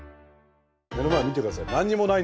目の前見て下さい。